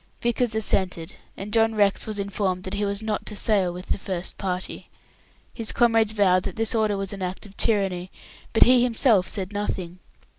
Vickers assented, and John Rex was informed that he was not to sail with the first party. His comrades vowed that this order was an act of tyranny; but he himself said nothing.